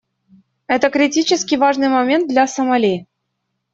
Это критически важный момент для Сомали.